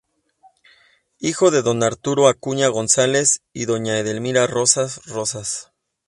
Hijo de don "Arturo Acuña González" y doña "Edelmira Rosas Rosas".